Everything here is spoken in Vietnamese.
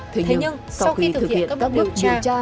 thế nhưng sau khi thực hiện các bước chi tra